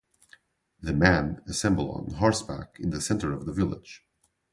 The men assemble on horseback in the center of the village.